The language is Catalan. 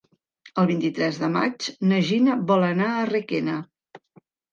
El vint-i-tres de maig na Gina vol anar a Requena.